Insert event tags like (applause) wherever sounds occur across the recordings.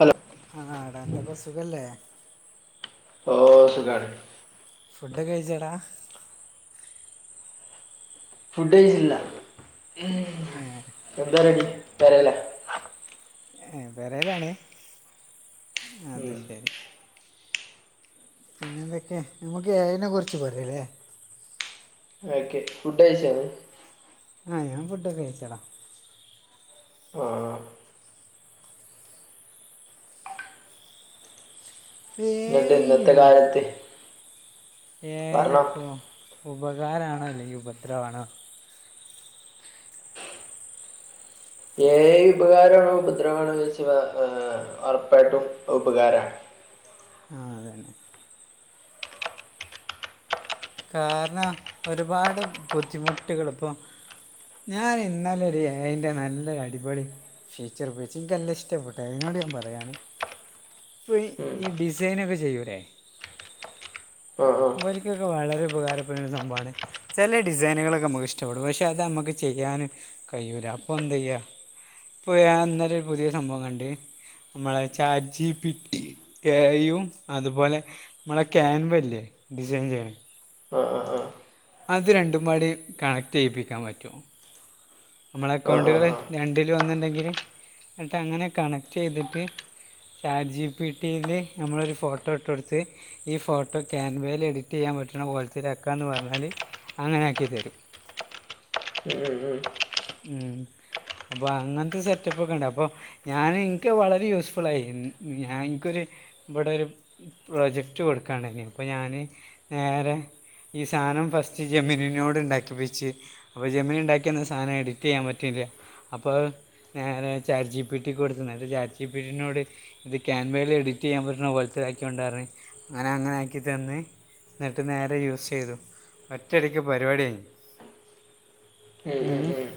Hello ആഹ് എടാ എന്തൊക്കെ സുഖല്ലേ? ഓ സുഖാണ് ഫുഡൊക്കെ കഴിച്ചെടാ? ഫുഡേജിന്നോ മ്മ് ഏഹ് എന്താ പര്വാടി പെരേലാ ഏഹ് പേരേലാണ് അത് ഉം ശരി പിന്നെ എന്തൊക്കെ നമുക്ക് എ ഐനേ കുറിച്ച് പറയല്ലേ ഓക്കെ ഫുഡ് കഴിച്ചോ ആഹ് ഞാൻ ഫുഡൊക്കേ കഴിച്ചട ആഹ് എ എന്നിട്ട് ഐ ഇന്നത്തെ എ കാലത്ത് എ ഐ പറഞ്ഞോ പോ ഉപകാരണോ അല്ലെങ്കിൽ ഉപദ്രവണോ? എ ഐ ഉപകാരണോ ഉപദ്രവാണോന്ന് വെച്ച ഹ് ഒറപ്പായിട്ടും ഉപകാര ആഹ് അതന്നെ. കാരണം ഒര്പാട് ബുദ്ധിമുട്ട്കള് ഇപ്പൊ ഞാന് ഇന്നലൊര് എ ഐ ന്റെ നല്ലൊര് അടിപൊളി ഫീച്ചർ ഉപയോഗിച്ചു ഇൻക്ക് അന്നെ ഇഷ്ടപ്പെട്ടു അതിനോട് ഞാൻ പറയാണ്. ഇപ്പം ഉം ഈ ഡിസൈനൊക്കെ ചെയ്യൂരെേ ആഹ് ആഹ് എനിക്കൊക്കെ വളരെ ഉപകാരപ്പെടുന്ന ഒരു സമ്പാണ് ചെല ഡിസൈനുകളൊക്കെ മ്മക്ക് ഇഷ്ടപ്പെടും പക്ഷെ അത് നമ്മക്ക് ചെയ്യൻ കയ്യൂല അപ്പൊ എന്തയ്യാ ഇപ്പൊ ഞാൻഅന്നേരംഒര് പുതിയ സംഭവംകണ്ടേ നമ്മളെ ചാറ്റ് ജിപിട്ടി എ ഐയും അതുപോലെ നമ്മളെ ക്യാൻവല്ലേ ഡിസൈൻ ചെയ്യ ആഹ് ആഹ് ആഹ് അത് രണ്ടുംപാടി കണക്ട് ചെയ്യിപ്പിക്കാൻ പറ്റുമോ അമ്മളെ ആ ആ ആ ആ ആ അക്കൗണ്ടുകള് ആ രണ്ടിലും ഒന്നുണ്ടെങ്കില് ഇന്നട്ട് അങ്ങനെ കണക്ട് ചെയ്തിട്ട് ചാറ്റ് ജി പി ടിയില് ഞമ്മളൊരു ഫോട്ടോഇട്ട് കൊടുത്ത് ഈ ഫോട്ടോ ക്യാൻവയിൽ എഡിറ്റ് ചെയ്യാൻ പറ്റണ പോലെത്ത്ലാക്കാന്ന് പറഞ്ഞാൽ അങ്ങനെയാക്കി തരും ഉം ഉം ഉം ഉം അപ്പൊ അങ്ങനത്തെ സെറ്റപ്പ് ഒക്കെ ഇണ്ട് അപ്പൊ ഞാന് ഇൻക്ക് അത് വളരെ യൂസ്ഫുൾ ആയി ഞാ ഇൻക്കൊരു ഇവിടെ ഒരു പ്രൊജക്റ്റ് കൊടുക്കണ്ടയ്നിം അപ്പോ ഞാന് നേരെ ഈ സാനം ഫസ്റ്റ് ജെമീനിനോട് ഇണ്ടാക്കി പ്പിച്ച് അപ്പൊ ജമീനി ഇണ്ടാക്കിയെന്ന അങ്ങന എഡിറ്റ് ചെയ്യാൻ പറ്റില്ലെ? അപ്പൊ ഞനെ ചാറ്റ് ജീ പി ടിക്ക് കൊടുത്ത് അന്നേരം ചാറ്റ് ച്ചി പ്പീ റ്റി നോട് ഇത് ക്യാൻവയില് എഡിറ്റ് ചെയ്യാൻ പറ്റുന്ന പൊലിത്തെ ഒരായ്ക്കാം ഒണ്ടായിരുന്ന് അവനാ അങ്ങനെ ആക്കി തന്ന് ഇന്നട്ട് നേരെ യൂസെയ്തു ഒറ്റ അടിക്ക് പരിപാട്യഴ്ഞ്ഞ് ഉം ഉം മ്മ് ഉം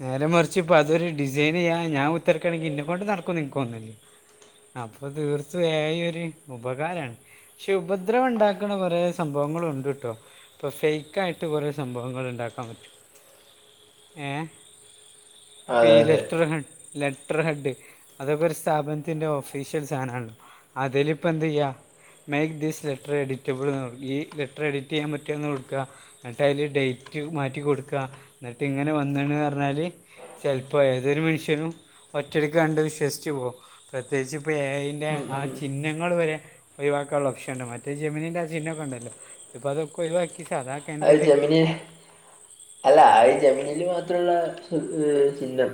നേരെ മറിച്ച് ഇപ്പ അതൊരു ഡിസൈയ്നെയ്യ ഞാൻ കുത്തർക്കാണെങ്കി ഇന്നെ കൊണ്ട് നടക്കും ഇൻക്ക് തോന്ന്ല്ല അപ്പ തീർത്തു എ ഐ ഒര് ഉപകാരാണ്. ശുഭദ്ര ഉണ്ടാക്കണേകൊറെേ സംഭവങ്ങള് ഉണ്ട്ട്ടോ ഇപ്പൊ ഫെയ്ക്ക് ആയിട്ട് കുറെേ സംഭവങ്ങൾ ഇണ്ടാക്കാൻ പറ്റും ഏഹ് അതെ പി അതെ (unintelligible) ലെറ്റർ ഹെഡ് അതൊക്കെ ഒരു സ്ഥാപനത്തിന്റെ ഓഫീഷ്യൽ സാനാണ് അതില് പ്പെന്തെയ്യ. മേക്ക് ദീസ് ലെറ്റർ എഡിറ്റബിൾ എന്ന് നോക്കി ലെറ്റർ എഡിറ്റ് ചെയ്യാൻ പറ്റുവോന്ന്കൊടുക്ക്ക എന്നിട്ട് അതില് ഡേറ്റ് മാറ്റി കൊടുക്കാ എന്നിട്ട് ഇങ്ങനെ വന്നന്ന് പറഞ്ഞാല് ചെൽപ്പോ ഏതൊരുമനുഷ്യനും ഒറ്റടിക്കാ പണ്ട് വിശ്വസ്ച്ചു പോ പ്രത്യേകിച്ച് ഇപ്പോ എ ഐ ന്റെ ഉം ആ ഉം ചിഹ്നങ്ങൾ വരെ ഒഴിവാക്കാന്ള്ള ഒപ്ഷൻണ്ട് മറ്റേ ജമിനിന്റെ ആ ചിഹ്നോക്കെണ്ടല്ലോ ഇപ്പതൊക്കെ ഒഴിവാക്കി സാധാ അത് ക്യാൻവയിൽ ജെമനി അല്ല ആ ജമിനിൽ മാത്രമുള്ള ചിഹനം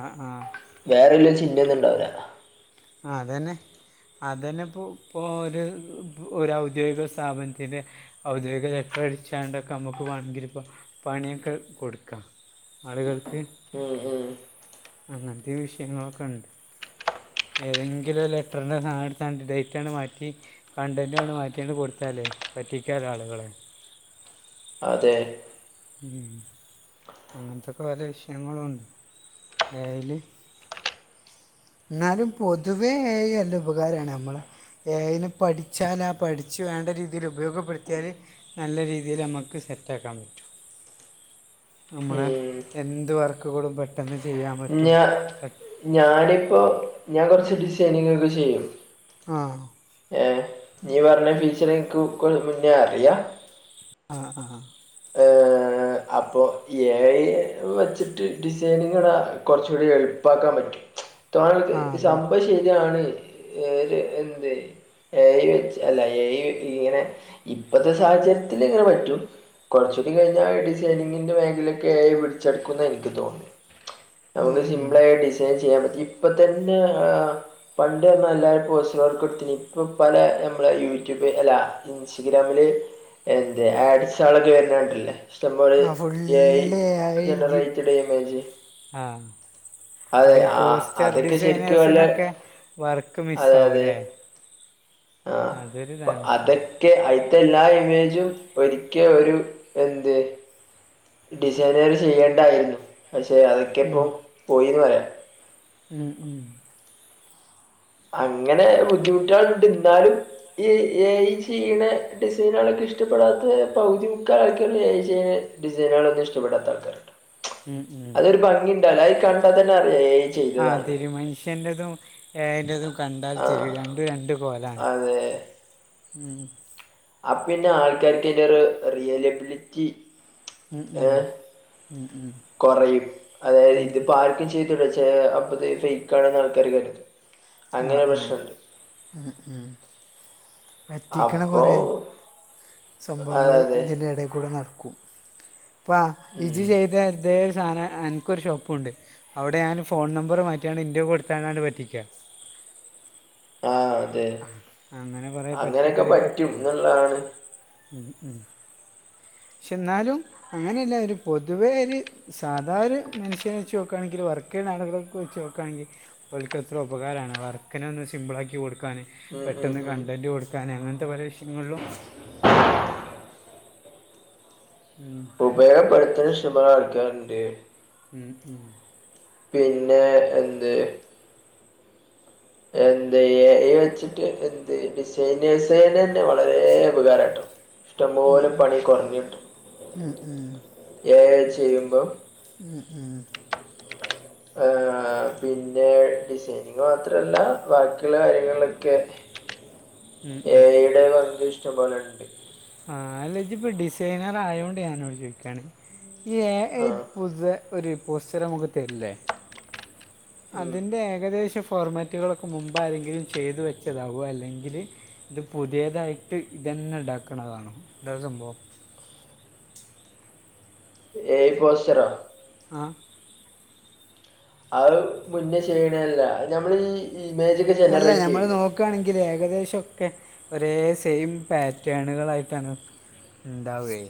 ആഹ് ആഹ് വേറെ വല്ല ചിന്തയില്ള്ളവരാ ആ അതന്നെ അതന്നെപ്പോ ഇപ്പോഓര് ഒരു ഔദ്യോഗിക സ്ഥാപനത്തിന്റെ ഔദ്യോഗിക ലെറ്റർ അടിച്ചണ്ടൊക്കെ നമ്മുക്ക് വേണങ്കില് ഇപ്പോ പണിയൊക്കെ കൊട്ക്കാ ആളുകൾക്ക് ഉം ഉം അങ്ങത്തെ വിഷയങ്ങളൊക്കെണ്ട് ഏതെങ്കിലും ഒരു ലെറ്ററിൻ്റെ സാധനം എടുത്താണ്ട് ഡേറ്റ് അങ്ങട് മാറ്റി കൺണ്ടെന്റണ് മാറ്റിയാണ് കൊടുത്താലേ പറ്റിക്കാല്ലോ ആളുകളെ അതെ മ് അങ്ങനത്തൊക്കെ ഓരോ വിഷയങ്ങളുണ്ട് എ ഐ ല്ല് ന്നാലും പൊതുവേ എ ഐ നല്ല ഉപകാരാണ് നമ്മള് എ ഐ നെപഠിച്ചാല ആ പഠിച്ച് വേണ്ട രീതിയിൽ ഉപയോഗപ്പെടുത്തിയാല് നല്ല രീതിയില് അമ്മക്ക് സെറ്റ ആക്കാൻ പറ്റും ഉം നമ്മള്എന്ത് വർക്ക്കൂടും പെട്ടെന്ന് ചെയ്യ ഞ ഞാനിപ്പോ ഞാൻ കൊറച്ച് ഡിസൈനിങ്ങൊക്കെ ചെയ്യും ആഹ് ഏഹ് നീ പർഞ്ഞ ഫീച്ചർ ഇൻക്ക് ഇക്കൊല്ല മുന്നേ അറിയാ ആഹ് ആഹ് അപ്പൊ എ ഐ വെച്ചിട്ട് ഡിസൈനിങ്ങടെ കുറച്ചുകൂടി എളുപ്പാക്കാൻ പറ്റും തോന്നണത് ആ അതന്നെ സംഭംശരിയാണ് ഏര് എന്ത് എ ഐ വെച്ച് അല്ല എ ഐക്ക്ഇങ്ങനെ ഇപ്പത്തെ സാഹചര്യത്തിൽ ഇങ്ങനെ പറ്റും കൊറച്ചൂടി കയിഞ്ഞാൽ (unintelligible) (unintelligible) എ ഐ പിടിച്ച് അടുക്കുവെന്ന എ നിക്ക് തോന്നുന്നേ ഉം, നമ്മക്ക് ഉം. സിമ്പിളായിട്ട് തെചെയ്യാൻപറ്റിഇപ്പതന്നെ ആ പണ്ട് നല്ല പോസ്റ്റുകൾക്ക് എടുത്തിനി ഇപ്പൊപലനമ്മളയൂട്യൂബ് അല്ല ഇൻസ്റ്റഗ്രാമില് എന്റെ ആക്സോളജി വരുന്ന കണ്ടില്ലേ ആഹ് ഫുള്ള് എ ഐ ജി ജനറേറ്റഡ് ഇമേജ് ആഹ് അപ്പൊ അതെ ഈ ആ പോസ്റ്റർ അതൊക്കെ ശരിക്കും വല്ല ഡിസൈനേഴ്സിനൊക്കെ വർക്ക് അതെ അതെ മിസ്സാവൂല്ലേ ആ അപ്പ അതൊരുതാണ് അതൊക്കെ അയിന്റെ എല്ലാ ഇമേജും ഒരിക്കൽ ഒരു എന്ത് ഡിസൈനുകൾ ചെയ്യേണ്ടായിരുന്നു പക്ഷെ ഉം, അതൊക്കെപ്പോ പോയിന്ന് പറയാ ഉം ഉം അങ്ങനെ ബുദ്ധിമുട്ടള്ണ്ട് ഇന്നാലും ഈ എ ഐ ചെയ്യണേ ഡിസൈന് ക ളൊക്കെ ഇഷ്ടപ്പെടാത്ത പൗതിമുക്കാലൊക്കെയല്ലേ ഏ ചെ ഡിസൈനേളൊന്നും ഇ്ടപെടാത്താള്ക്കാര്ണ്ട് ഉം ഉം ഒരു ഭംഗി ഉണ്ടാവുല്ലോ അത് കണ്ടാ തന്നെ അറിയാ എ ഐ ആതെരു മനുഷ്യന്റെതും എ ഐ ആ ന്റെതുംകണ്ടാൽതെരി യുംരണ്ടുരണ്ട് കോലാണ് അതെ ഉം ആപ്പിന്നെ ആൾക്കാർക്ക് ഇയിന്റെഒരു റിയലബിലിറ്റി ഉം ഉം ഏഹ് ഉം ഉം കൊറയും അതായത് ഇതിപ്പോ ആർക്കും ചെയ് (unintelligible) അപ്പൊത് ഫേക്കാണന്ന് ആൾക്കാര് കരുതും ആഹ് അങ്ങനെ ആഹ് പ്രശ്നമുണ്ട് മ് മ് പറ്റിക്കണ അപ്പോ കൊറെ അതെ സംഭവങ്ങള് അതെ ഇതിന്റെ എടെ കൂടെ നടക്കും. പ്പ ഉം ഇജ് ചെയ്ത എന്തേ ഒരു സധന അ ക്കൊരു ഷോപ്പുണ്ട് അവിടെ ഞാൻ ഫോൺ നമ്പറ് മാറ്റിയാണ് ഇന്റെ കൊടുത്താണ്ട് പറ്റിക്കാ (inaudible) ആഹ് അതെ അങ്ങനെ കൊറേ അങ്ങനെയൊക്കെ പറ്റിക്കലുകളൊ പറ്റുന്നുള്ളതാണ്. ഉം ഉം ക്ഷേ എന്നാലും അങ്ങനെയല്ല ഒരു പൊതുവേ ഒര് സാധാ ഒരു മനുഷ്യനെ വെച്ച് നോക്കുവാണെങ്കിൽ വർക്ക് ചെയ്യണ ആളുകളൊക്കെ വെച്ച് നോക്കുകയാണെങ്കിൽ ഓൽക്ക് എത്ര ഉപകാരാണ് വർക്കിനെ ഒന്ന് സിമ്പിളാക്കി കൊടുക്കാന്. ഉം ഉം പെട്ടെന്ന് ഉം കണ്ടന്റ് കൊടുക്കാന് അങ്ങനത്തെ പല വിഷയങ്ങളിലും ഉം ഉപയപ്പെടുത്തന് ശ്ട്ടമ്പോലെ അൾക്കാര്ണ്ട് ഉം ഉം പിന്നെ എന്ത് എന്ത് എ ഐ വെച്ചിട്ട് എന്ത് ഡിസൈനഴസനനെ തന്നെ വളരെ ഉപകാരട്ടോ ഇഷ്ടം പോലെ പണി കൊറഞ്ഞ് ഉം, ഉം, (unintelligible) ചെയ്യുമ്പോ ഉം ഉം ഏഹ് ആ പിന്നെ ഡിസൈനിങ് മാത്രല്ല ബാക്കിയുള്ള കാര്യങ്ങളിലൊക്കെ ഉം, ഏ ഐ ടെ വർക്ക് ഇഷ്ടംപോലെണ്ട്. ആഹ് അല്ല ഇജിപ്പൊ ഡിസൈനർ ആയോണ്ട് ഞാനനോട് ചോയ്ക്കാണ്. എ ഐ ആ പുത ഒരു പോസ്റ്റർമുക്ക് തരില്ലേ ഉം അതിന്റെ ഏകദേശ ഫോർമാറ്റുകളൊക്കെ മുമ്പ് ആരെങ്കിലും ചെയ്തു വെച്ചതാവോ അല്ലെങ്കില് ഇത് പുതിയതായിട്ട് ഇജെന്നെ ഇണ്ടാക്ക ണതാണോ എന്താ സംഭവം (unintelligible) പോസ്റ്ററോ ആ അത് മുന്നേ ചെയ്യണല്ല നമ്മളീഈ. ഇമേജിൽ അല്ല ഞമ്മള് നോക്കി ക്ക് ആണെങ്കിൽ ഏകദേശൊക്കെ ഒരേ സെയിം പാറ്റേണുകളായിട്ടാണ് ഇണ്ടാവേ.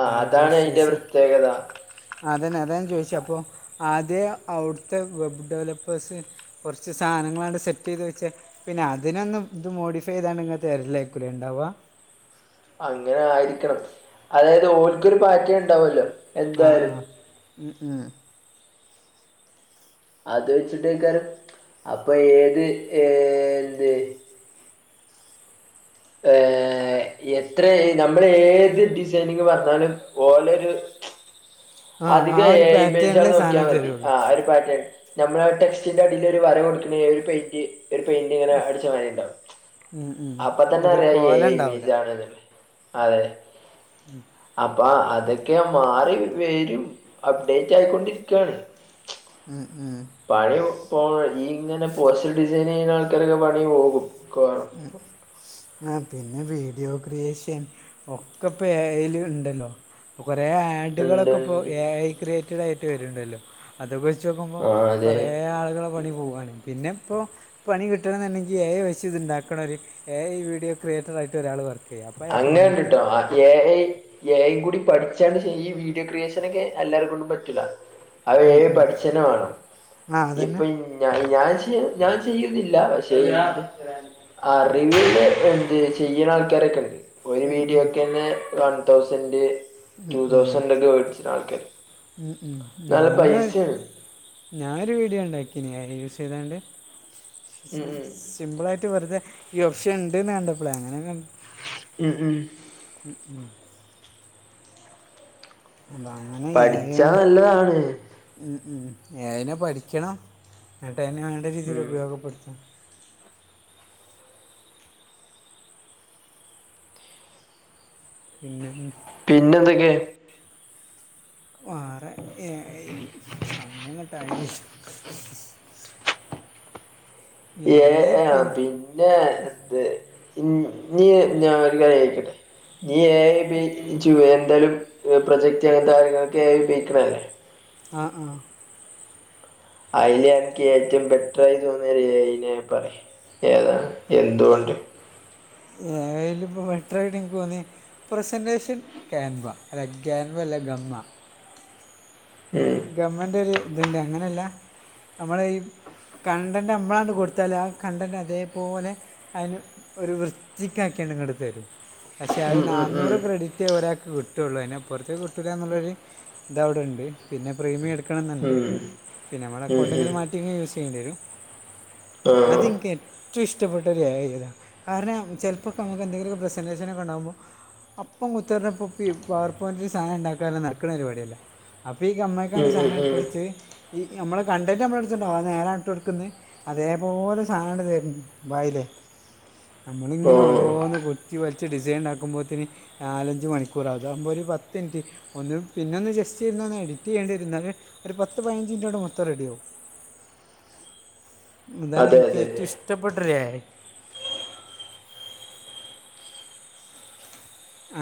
ആഹ് അതാണ് അതിന്റെ പ്രത്യേകത. അതന്നെ അത ഞാൻ ചോദിച്ച അപ്പൊ ആദ്യ അവിടുത്തെ വെബ് ഡെവലപ്പേഴ്സ്- കൊർച്ച് സാധനങ്ങളണ്ട് സെറ്റിത് വെച്ചെ പിന്നെ അതിനൊന്നും ഇത് മോഡിഫൈയ്താണ്ട് ഇങ്ങ്ട്ട് വരലേരിക്കു ലേ ഇണ്ടാവാ? അങ്ങനെ ആയിരിക്കണം, അതായത് ഓൽക്കൊരു പാറ്റേൺ ഇണ്ടാവല്ലോ. ആഹ് ആഹ് ഉം ഉം അത് വെച്ചിട്ടേക്കാരും അപ്പൊ ഏത് ഏ എന്ത് ഏഹ് എത്ര നമ്മൾ ഏത് ഡിസൈനിങ് പറഞ്ഞാലും ഓലൊരു. ആ അധിക ആ ഒരു എ ഐ പാറ്റേണിലെ ഇമേജാന്ന് സാധനം നോക്കിയാമതി തരുള്ളൂ ആ അയിലൊരു പാറ്റേൺ ഞമ്മള ടെക്റ്റിന്റെ അടിൽ ഒരു വര കൊടുക്കുന്ന ഏ ഒരു പെയിന്റ് ഒരു പെയിന്റിങ്ങനെ അടിച്ച മാതിരി ഇണ്ടാവും, ഉം, ഉം. അപ്പതന്നെ ഒരു അറിയ കോല ഉണ്ടാവില്ല ഇമേജ് ആണെന്ന്. അതെ മ് അപ്പൊ അതൊക്കെ മാറി വരും അപ്ഡേറ്റ് ആയിക്കൊണ്ടിരിക്കയാണ് ആഹ് ആഹ് പണിഒക്കെ പോകും ഈ ഇങ്ങനെ പോസ്റ്റർ ഡിസൈൻ ചെയ്യുന്ന ആൾക്കാരൊക്കെ പണി പോകും. ഉ ആ പിന്നെ വീഡിയോ ക്രിയേഷൻ ഒക്കെപ്പ എ ഐ ല്ല് ണ്ടല്ലോ കൊറേ ഉണ്ട് ആഡുകളൊക്കെ ഇപ്പൊ എ ഐ ക്രിയേറ്ററായിട്ട് ആയിട്ട് വരുണ്ടല്ലോ അതൊക്കെ വെച്ച് നോക്കുമ്പോൾ ആ അതെ കൊറേ ആളുകളെ പണി പോവാണ് പിന്നെ ഇപ്പോ പണി കിട്ടണെന്നുണ്ടെങ്കിൽ ഏ വ- ഇതുണ്ടാക്കുണോരു ഏ ഐ വീടിയോക്രിയേറ്ററായിട്ട് ഒരാൾ പറഞ്ഞു. അങ്ങണ്ടിട്ടോ ഏ ഐ ഏയും കൂടി പഠിച്ചാണ് ഈ വീഡിയോ ക്രിയേഷനോക്കെ എല്ലാരെ കൊണ്ടും പറ്റൂല അത് എ പഠിച്ചു തന്നെ വേണം ആ അതന്നെ ഇപ്പം- ഞ ഞാൻ ച്ചി ഞാൻ ചെയ്യുന്നില്ല പക്ഷേ ആ റിവ് ഇല്ലേ എന്ത് ചെയ്യ്ണ ആൾക്കാരൊക്കെണ്ട്. ഒരു വീഡിയോക്കെന്നെ വൺ തൗസൻഡ് ഉം, ഉം. ടുതൗസൻഡൊഒക്കെ മേടിച്ച് ആൾക്കാര് ഉം, ഉം. നല്ല ഞാനും പൈസയാണ്. ഞാനൊരു വീഡിയോ ണ്ടാക്കീനി ഏ ഐ യൂസ് ചെയ്താണ്ട് ഉം ഉം സിമ്പിളായിട്ട് വെറുതെ ഈ ഓപ്ഷൻണ്ടന്ന് കണ്ടപ്പളെ അങ്ങനെയണ്ട് ഉം ഉം ഉം ഉം (inaudible) അ അങ്ങൻ പഠിച്ചാ നല്ലതാണ് ഉം അതിനെ പഠിക്കണം എന്നട്ട അന് വേണ്ട രീതിയിൽ ഉം ഉപയോഗപ്പെടുത്തും പിന്നെ പിന്നെന്തൊക്കെ വേറെ ഏ സമയം അങ്ങോട്ടായില്ലല്ലോ (inaudible) എ ഏ പിന്നെ എത് ഇനി ഞാൻ ഒരു കാര്യം കളികളിക്കട്ടെ നീ എ ഐ ഉപയോഗിച്ചു വെടലും പ്രൊജക്ട് അങ്ങനത്തെ കാര്യങ്ങളൊക്കെ എ ഐ ഉപയോഗിക്കണല്ലേ ആഹ് ആഹ് അയിന് എനിക്ക് ഏറ്റവും ബെറ്റർറായി തോന്നിയ എ ഏ നെ പറയ് ഏതാണ് എന്തുകൊണ്ട്? എ ഐ ലിപ്പ മെട്രയ്ട്ട്ക്ക് തോന്നി പ്രസന്റേഷൻ കേൻവ അല്ല കേൻവ അല്ല ഗമ്മ. ഉം (unintelligible) ഗവൺമെന്റ് ഒര്ഇത്ണ്ട് അങ്ങനെയല്ല നമ്മളെ ഈ കണ്ടൻറ് മ്മളണ്ട് കൊടുത്താൽ ആ കണ്ടൻറ് അതേപോലെ- അതിന് ഒരു വൃത്തിക്കക്കിണ്ടിങ്ങോട്ട തരും പക്ഷെ അത് ഉം ഉം ഉം നന്നൂറ് ക്രെഡിറ്റ് ഒരാൾക്ക് കിട്ടുള്ളൂ അതിനെപ്പുറത്തേക്ക് കിട്ടുക എന്നുള്ളൊരു ഇത് അവിടെണ്ട് പിന്നെ പ്രീമിയ വെക്കണംന്നുണ്ട് പിന്നെ ഉം ഉം അക്കൗണ്ട് ഇങ്ങനെ ഉം മാറ്റി യൂസ് ചെയ്യേണ്ടി വരും. ആ അത് ഇൻകെ ഇച്ച് ഇഷ്ടപ്പെട്ട ഒരു കാര്യതാണ് കാരണം ചിലപ്പോൊക്ക നമുക്ക് എന്തെങ്കിലുമൊെ പ്രെസന്റേഷന ഒക്കെണ്ടാവുബോ- അപ്പം മുദ്യ കോപ്പി പവർ പോയിന്റിൽ സാധനം ഉണ്ടാക്കാന്‌ നടക്കുന്ന പരിാടിയല്ല. പ്പ ഈ അമ്മക്കാണ് ഉം ഉം സാധനം ഉം ഇട്ടടുത്ത് ഈ നമ്മൾ കണ്ടന്റ് നമ്മള എടുത്തുണ്ടാവക അത് നേരാണ് ഇട്ട് എടുക്കുന്ന് അതേപോലെ സാനണ്ട് തരും വയിലേ ഓ നമ്മളിങ്ങനെ ഓരോന്ന് കുത്തി വലിച്ച് ഡിസൈൻണ്ടാ ക്കുമ്പോത്തിന് നാലഞ്ച് മണിക്കൂർ അതാകുമ്പോ ഒരു പത്ത് മിനിറ്റ് ഒന്ന് പിന്നെ ഒന്ന് ജസ്റ്റ് ഇര്ന്നോന്ന് എഡിറ്റ്‌ ചെയ്യേണ്ടിയിരുന്നത് ഒരു പത്ത് പതിനഞ്ച് മിനിറ്റോടെ മൊത്തം റെഡി ആവും. ഇതാണ് അതെ ഇൻക്ക് അതെ ഏറ്റവും ഇഷ്ടപ്പെട്ടൊരു ഏ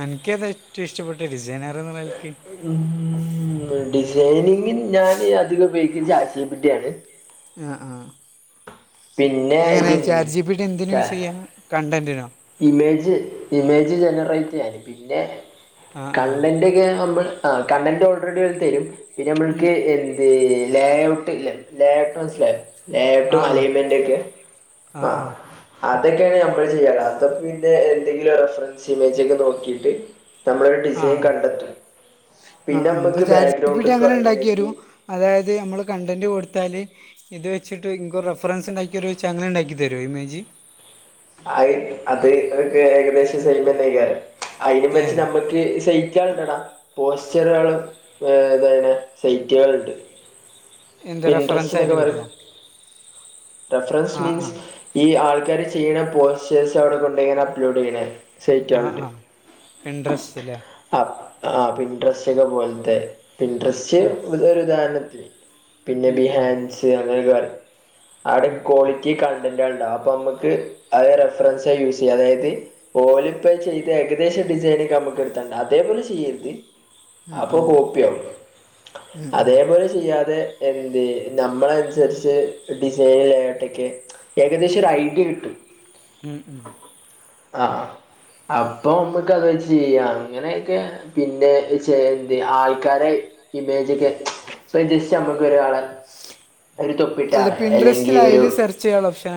അനക്ക് ഏതാ ഏറ്റവും ഇഷ്ടപ്പെട്ട ഡിസൈനർന്നുള്ള നെലക്ക് ഉം ഉം മ് ഡിസൈനിങ്ങിന് ഞാൻ അധികം ഉപയോഗിക്കുന്നത് ചാചിപിട്ടിയാണ്. ആഹ് ആഹ് പിന്നെ എങ്ങനെ ജെമിനി ചാറ്റ് ജിപിട്ടി എന്തിന് യൂസ് യ്യാ കണ്ടന്റിനോ ഇമേജ് ഇമേജ് ജനറേറ്റ് ചെയ്യാന് പിന്നെ ആ ആ കണ്ടന്റോക്കെ നമ്മൾ ആഹ് കണ്ടന്റ് ഓൾറെഡി ഓര് തരും. പിന്നെ, നമ്മൾക്ക്. ലേഔട്ട് ഇല്ല ലേഔട്ട് മനസ്സിലായോ ആ ലേഔട്ടും ആ അലയ് എണീക്കെ ആ ആഹ് ആ അതൊക്കെയാണ് നമ്മള് ചെയ്യാല് അത പിന്നെ എന്തെങ്കിലും റഫറൻസ് ഇമേജക്കെ നോക്കിട്ട്. നമ്മളൊരു ആ ആ ഡിസൈൻ കണ്ടെത്തും, പിന്നെ ആ അപ്പൊ നമ്മക്ക് ചാറ്റ് ജി പി ടി ബാക്ക്ഗ്രൗണ്ടക്കൊ അങ്ങനെ ഉണ്ടാക്കി അല്ലെങ്കിൽ തരും അതായത് നമ്മൾ കണ്ടന്റ് കൊടുത്താൽ. ഇത് വെച്ചിട്ട് ഇങ്കോ റഫറൻസ് ണ്ടാക്കിരു ചങ്ങലണ്ടാക്കി തരോ ഇമേജ് ആ അത് ഒക്കെ ഏകദേശം സൈമന്നക്കാരം. അയിന് ഏ വെച്ച് നമ്മുക്ക് സഹിക്കാണ്ടടാ. പോസ്റ്ററുകളും എന്തപിന്നെ സൈറ്റുകളുണ്ട് എന്താ റെഫറൻസ് ഇൻട്രസ്റ്റി ആയിട്ട് ഡ് വരും കിട്ടണോ റഫറൻസ് ആ ആ മീൻസ് ഈ ആൾക്കാര് ചെയ്യണ പോസ്റ്റേഴ്സ് അവിടെ കൊണ്ട എങ്ങനെ അപ്ലോഡ് ചെയ്യണേ. അ, ആഹ്, പെൻഡ്രസ്സ് ല്ലേ. ആ ആഹ് പിൻട്രസ്റ്റൊക്കെ പോലത്തെ പിൻട്രസ്റ്റ് ഒരുദാഹരണത്തിന് പിന്നെ ഉം ഉം ബിഹാൻസി അതർ ഗേൾ അവിടെ ക്വാളിറ്റി കണ്ടന്റണ്ടാാവും പ്പോ നമ്മ ത് റെഫറൻസ യൂസ്യ്യ അതായത്. ഓലിപ്പ ചെയ്ദേകദേശം ഡിസൈനക്ക നമ്മുക്ക് ടുത്തണ്ട് അതേപോലെ ചെയ്യരുത് ഉം അപ്പൊ ഉം കോപ്യ ഉം ഉം അതേപോലെ. ചെയ്യാതെ എന്ത് നമ്മളനുസരിച്ച് ഡിസൈനിലട്ടൊക്കെ. ഏകദേശം ഒരു ഐഡിയ കിട്ടു മ് ആഹ് അപ്പൊ മ്മക്ക് അത് വെച്ച് ചെയ്യാം അങ്ങനെക്കെ പിന്നെ എന്നത് ആൾക്കാരെ ഇമേജ്ക്കെ. ഇപ്പൊ ജസ്റ്റ് നമ്മുക്ക് ഒരാളെ ഒരു തൊപ്പിട്ടാളെ അല്ലെങ്കിൽ ഒരു ചില വർഷ